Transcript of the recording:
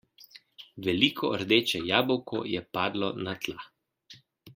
Veliko rdečo jabolko je padlo na tla.